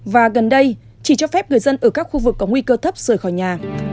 và gần đây chỉ cho phép người dân ở các khu vực có nguy cơ thấp rời khỏi nhà